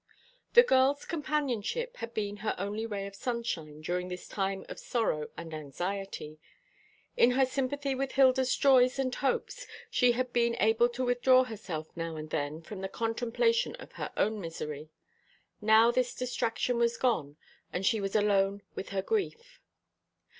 The girl's companionship had been her only ray of sunshine during this time of sorrow and anxiety. In her sympathy with Hilda's joys and hopes she had been able to withdraw herself now and then from the contemplation of her own misery. Now this distraction was gone, and she was alone with her grief.